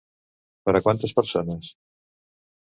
Per a quantes persones?